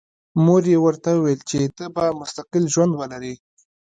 مور یې ورته وویل چې ته به مستقل ژوند ولرې